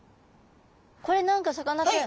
これ何かさかなクン